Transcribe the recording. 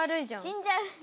死んじゃう。